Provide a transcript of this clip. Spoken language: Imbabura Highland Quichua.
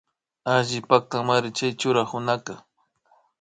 Alli paktamanri chay churakunaka